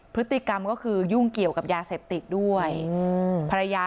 พฤติกรรมก็คือยุ่งเกี่ยวกับยาเสพติด้วย